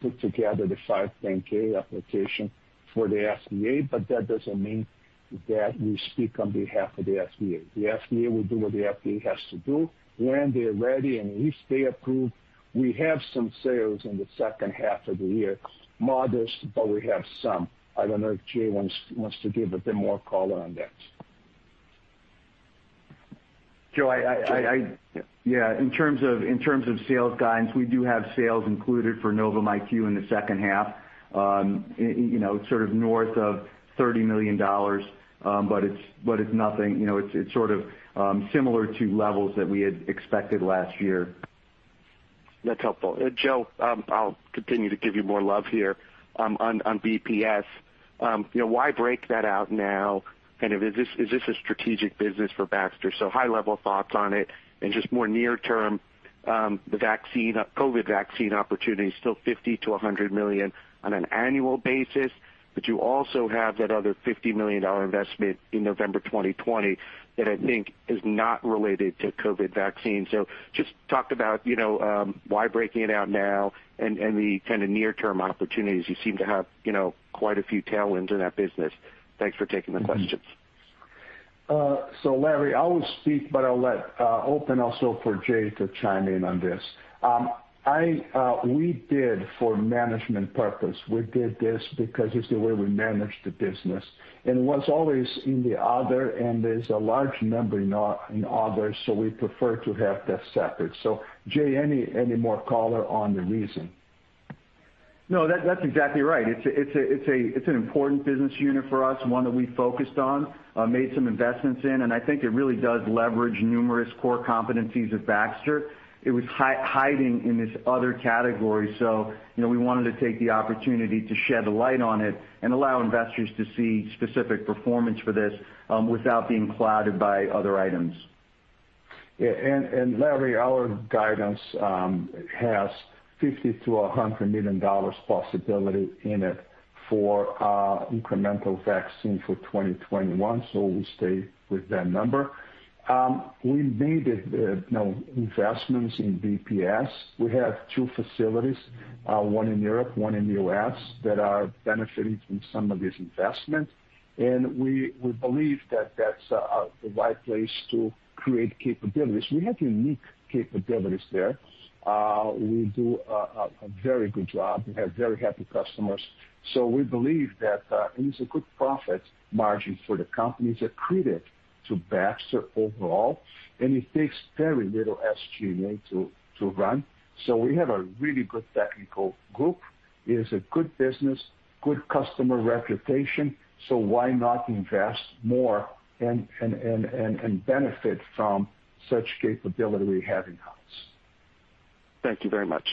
put together the 510(k) application for the FDA, but that doesn't mean that we speak on behalf of the FDA. The FDA will do what the FDA has to do. When they're ready, and if they approve, we have some sales in the second half of the year. Modest, but we have some. I don't know if Jay wants to give a bit more color on that. Joe, in terms of sales guidance, we do have sales included for Novum IQ in the second half. Sort of north of $30 million, but it's sort of similar to levels that we had expected last year. That's helpful. Joe, I'll continue to give you more love here. On BPS, why break that out now? Is this a strategic business for Baxter? High-level thoughts on it. Just more near-term, the COVID vaccine opportunity is still $50 million-$100 million on an annual basis. You also have that other $50 million investment in November 2020 that I think is not related to COVID vaccines. Just talk about why breaking it out now and the kind of near-term opportunities. You seem to have quite a few tailwinds in that business. Thanks for taking the questions. Larry, I will speak, but I'll open also for Jay to chime in on this. We did for management purpose. We did this because it's the way we manage the business. It was always in the other, and there's a large number in others, so we prefer to have that separate. Jay, any more color on the reason? No, that's exactly right. It's an important business unit for us, one that we focused on, made some investments in, and I think it really does leverage numerous core competencies of Baxter. It was hiding in this other category, so we wanted to take the opportunity to shed a light on it and allow investors to see specific performance for this without being clouded by other items. Larry, our guidance has $50 million-$100 million possibility in it for incremental vaccine for 2021. We'll stay with that number. We made investments in BPS. We have two facilities, one in Europe, one in the U.S., that are benefiting from some of these investments. We believe that that's the right place to create capabilities. We have unique capabilities there. We do a very good job. We have very happy customers. We believe that it's a good profit margin for the company. It's accretive to Baxter overall. It takes very little SG&A to run. We have a really good technical group. It is a good business, good customer reputation. Why not invest more and benefit from such capability we have in-house? Thank you very much.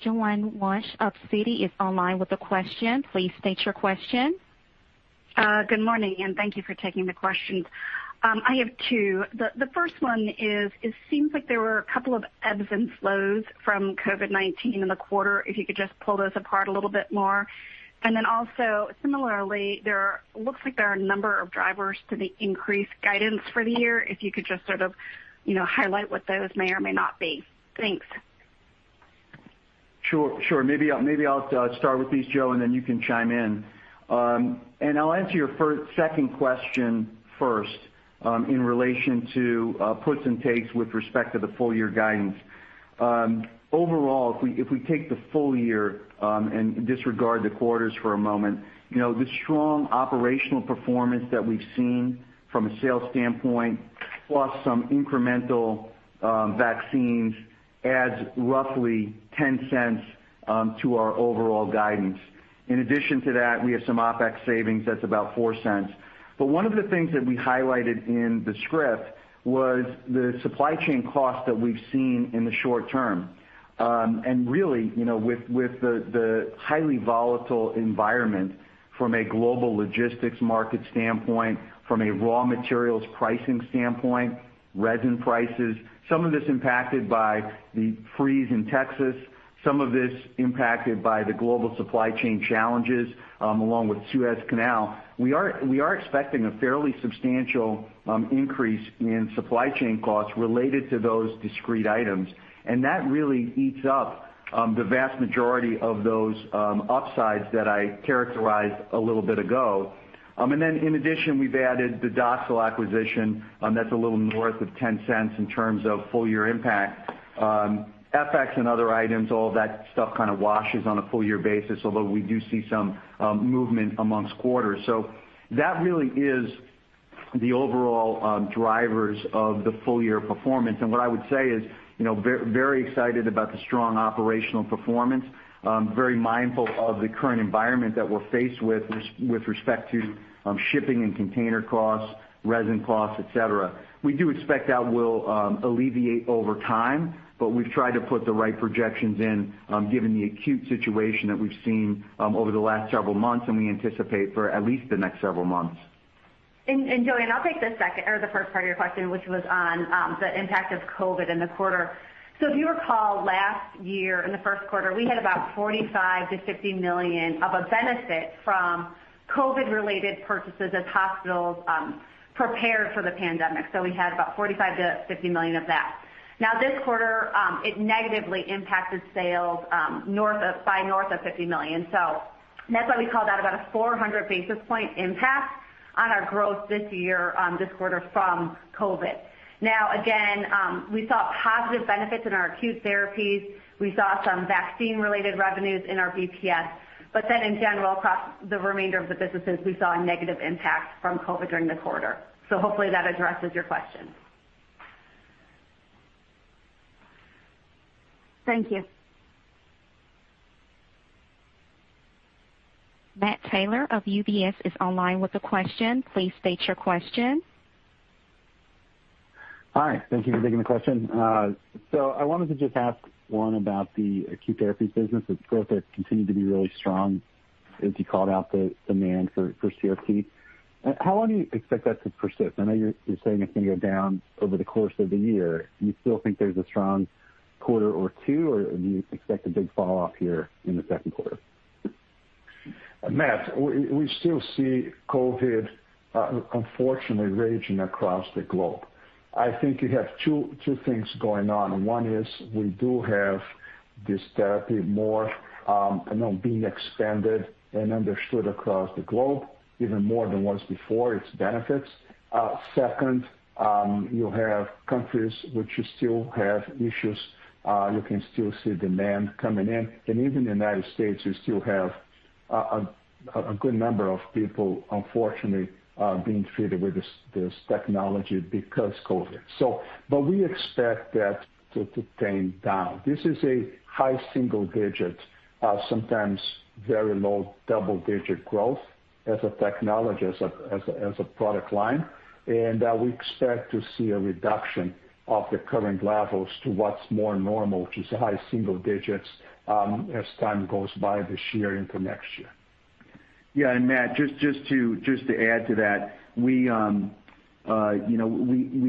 Joanne Wuensch of Citi is online with a question. Please state your question. Good morning. Thank you for taking the questions. I have two. The first one is, it seems like there were a couple of ebbs and flows from COVID-19 in the quarter, if you could just pull those apart a little bit more. Similarly, looks like there are a number of drivers to the increased guidance for the year, if you could just sort of highlight what those may or may not be. Thanks. Sure. Maybe I'll start with these, Joe, and then you can chime in. I'll answer your second question first, in relation to puts and takes with respect to the full-year guidance. Overall, if we take the full year and disregard the quarters for a moment, the strong operational performance that we've seen from a sales standpoint, plus some incremental vaccines, adds roughly $0.10 to our overall guidance. In addition to that, we have some OpEx savings that's about $0.04. One of the things that we highlighted in the script was the supply chain cost that we've seen in the short term. Really, with the highly volatile environment from a global logistics market standpoint, from a raw materials pricing standpoint, resin prices, some of this impacted by the freeze in Texas, some of this impacted by the global supply chain challenges, along with Suez Canal. We are expecting a fairly substantial increase in supply chain costs related to those discrete items, and that really eats up the vast majority of those upsides that I characterized a little bit ago. In addition, we've added the Doxil acquisition. That's a little north of $0.10 in terms of full-year impact. FX and other items, all that stuff kind of washes on a full year basis, although we do see some movement amongst quarters. That really is the overall drivers of the full-year performance. What I would say is, very excited about the strong operational performance. Very mindful of the current environment that we're faced with respect to shipping and container costs, resin costs, et cetera. We do expect that will alleviate over time, but we've tried to put the right projections in, given the acute situation that we've seen over the last several months, and we anticipate for at least the next several months. Joanne, I'll take the first part of your question, which was on the impact of COVID in the quarter. If you recall, last year in the first quarter, we had about $45 million-$50 million of a benefit from COVID-related purchases as hospitals prepared for the pandemic. We had about $45 million-$50 million of that. This quarter, it negatively impacted sales by north of $50 million. That's why we called out about a 400 basis point impact on our growth this year, this quarter from COVID. Again, we saw positive benefits in our Acute Therapies. We saw some vaccine-related revenues in our BPS. In general, across the remainder of the businesses, we saw a negative impact from COVID during the quarter. Hopefully that addresses your question. Thank you. Matt Taylor of UBS is online with a question. Please state your question. Hi, thank you for taking the question. I wanted to just ask one about the Acute Therapies business. Its growth has continued to be really strong as you called out the demand for CRRT. How long do you expect that to persist? I know you're saying it's going to go down over the course of the year. Do you still think there's a strong quarter or two, or do you expect a big fall off here in the second quarter? Matt, we still see COVID unfortunately raging across the globe. I think you have two things going on. One is we do have this therapy more being expanded and understood across the globe even more than was before, its benefits. Second, you have countries which still have issues. You can still see demand coming in. Even the U.S., you still have a good number of people, unfortunately, being treated with this technology because COVID. We expect that to tame down. This is a high single-digit, sometimes very low double-digit growth as a technology, as a product line. We expect to see a reduction of the current levels to what's more normal, which is high single-digits, as time goes by this year into next year. Matt, just to add to that, we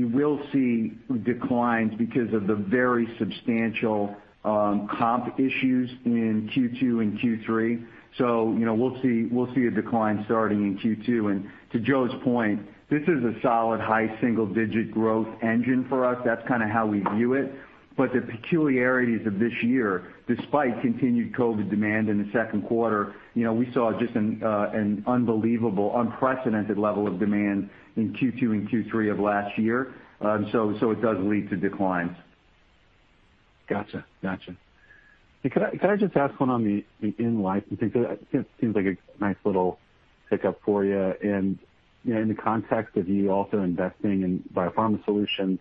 will see declines because of the very substantial comp issues in Q2 and Q3. We'll see a decline starting in Q2. To Joe's point, this is a solid high single-digit growth engine for us. That's kind of how we view it. The peculiarities of this year, despite continued COVID demand in the second quarter, we saw just an unbelievable, unprecedented level of demand in Q2 and Q3 of last year. It does lead to declines. Gotcha. Could I just ask one on the in-licensing? It seems like a nice little pick up for you. In the context of you also investing in BioPharma Solutions,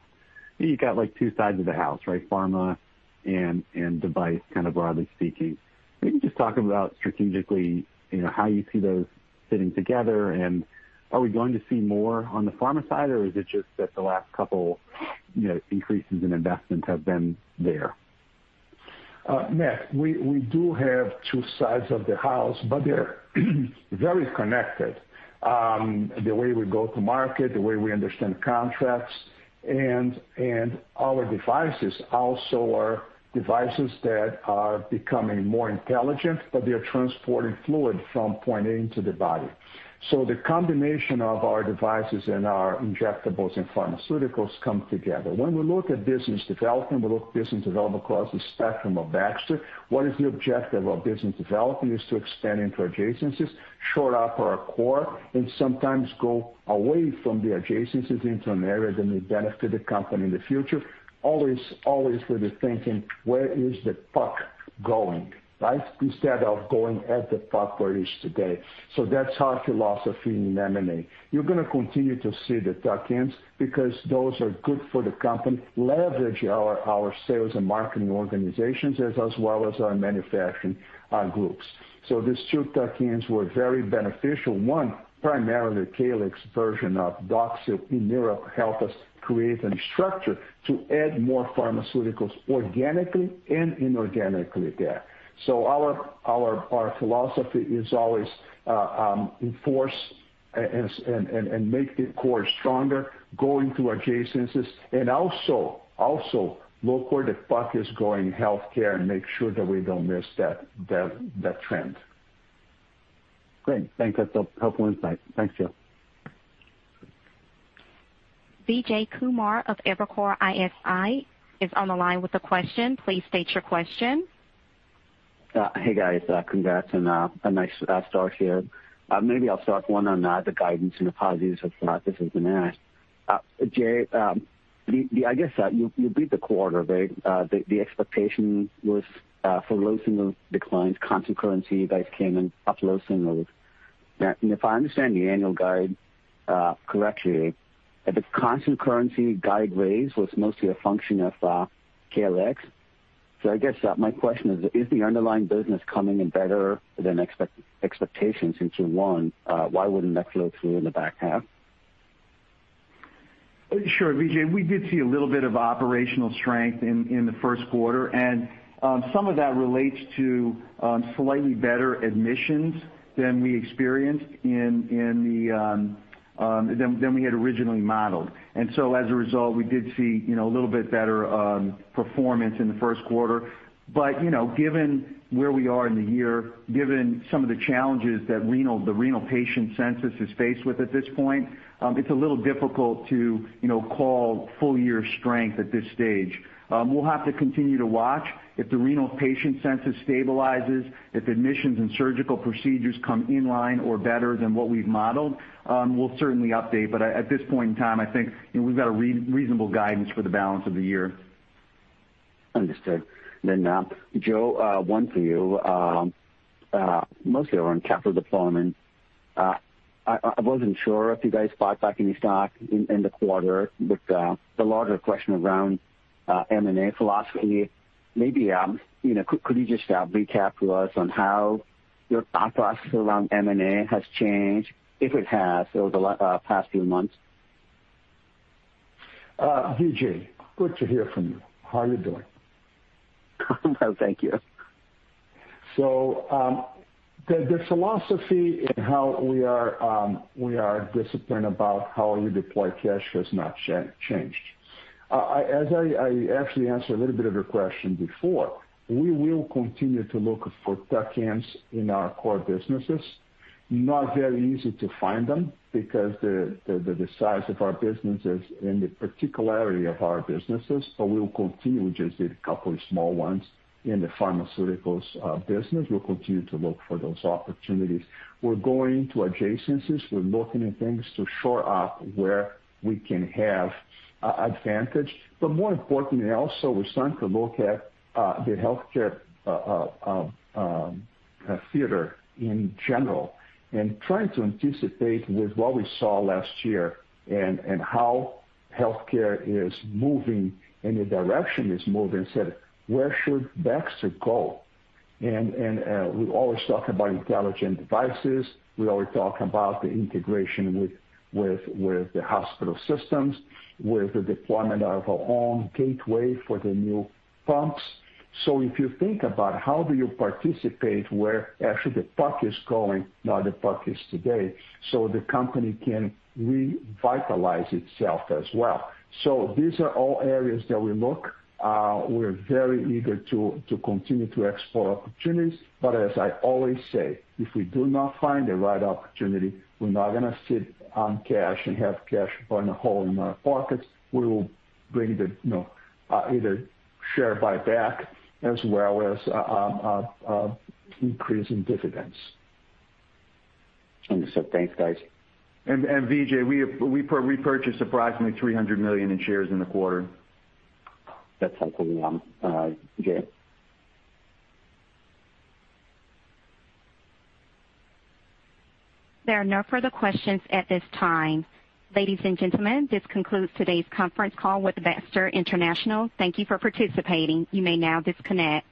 you got two sides of the house, right? Pharma and device, kind of broadly speaking. Maybe just talk about strategically, how you see those fitting together and are we going to see more on the pharma side, or is it just that the last couple increases in investment have been there? Matt, we do have two sides of the house, they're very connected. The way we go to market, the way we understand contracts, our devices also are devices that are becoming more intelligent, they are transporting fluid from point A into the body. The combination of our devices and our injectables and pharmaceuticals come together. When we look at business development, we look business development across the spectrum of Baxter. What is the objective of business development is to expand into adjacencies, shore up our core, sometimes go away from the adjacencies into an area that may benefit the company in the future. Always with the thinking, where is the puck going, right? Instead of going at the puck where it is today. That's our philosophy in M&A. You're going to continue to see the tuck-ins because those are good for the company, leverage our sales and marketing organizations, as well as our manufacturing groups. These two tuck-ins were very beneficial. One, primarily the Caelyx version of Doxil in Europe helped us create a structure to add more pharmaceuticals organically and inorganically there. Our philosophy is always enforce and make the core stronger, go into adjacencies, and also look where the puck is going in healthcare and make sure that we don't miss that trend. Great. Thanks. That's a helpful insight. Thanks, Joe. Vijay Kumar of Evercore ISI is on the line with a question. Please state your question. Hey, guys. Congrats on a nice start here. Maybe I'll start one on the guidance and apologies if this has been asked. Jay, I guess you beat the quarter. The expectation was for low single declines, constant currency. You guys came in up low singles. If I understand the annual guide correctly, the constant currency guide raise was mostly a function of Caelyx. I guess my question is the underlying business coming in better than expectations in Q1? Why wouldn't that flow through in the back half? Sure, Vijay. We did see a little bit of operational strength in the first quarter, some of that relates to slightly better admissions than we experienced than we had originally modeled. As a result, we did see a little bit better performance in the first quarter. Given where we are in the year, given some of the challenges that the renal patient census is faced with at this point, it's a little difficult to call full year strength at this stage. We'll have to continue to watch if the renal patient census stabilizes, if admissions and surgical procedures come in line or better than what we've modeled, we'll certainly update. At this point in time, I think we've got a reasonable guidance for the balance of the year. Understood. Joe, one for you, mostly around capital deployment. I wasn't sure if you guys bought back any stock in the quarter with the larger question around M&A philosophy. Maybe could you just recap to us on how your thought process around M&A has changed, if it has, over the past few months? Vijay, good to hear from you. How are you doing? I'm well, thank you. The philosophy in how we are disciplined about how we deploy cash has not changed. As I actually answered a little bit of your question before, we will continue to look for tuck-ins in our core businesses. Not very easy to find them because the size of our businesses and the particularity of our businesses, we'll continue. We just did a couple of small ones in the pharmaceuticals business. We'll continue to look for those opportunities. We're going to adjacencies. We're looking at things to shore up where we can have advantage. More importantly, also, we're starting to look at the healthcare theater in general and trying to anticipate with what we saw last year and how healthcare is moving and the direction it's moving, said, "Where should Baxter go?" We always talk about intelligent devices. We always talk about the integration with the hospital systems, with the deployment of our own gateway for the new pumps. If you think about how do you participate where actually the puck is going, not where the puck is today, so the company can revitalize itself as well. These are all areas that we look. We're very eager to continue to explore opportunities. As I always say, if we do not find the right opportunity, we're not going to sit on cash and have cash burn a hole in our pockets. We will bring either share buyback as well as increase in dividends. Understood. Thanks, guys. Vijay, we purchased approximately $300 million in shares in the quarter. That's helpful, Jay. There are no further questions at this time. Ladies and gentlemen, this concludes today's conference call with Baxter International. Thank you for participating. You may now disconnect.